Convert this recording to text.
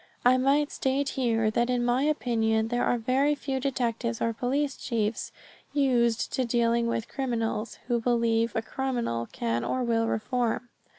I might state here that in my opinion there are very few detectives or police chiefs used to dealing with criminals, who believe a criminal can or will reform.